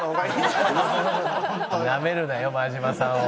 なめるなよ真島さんを。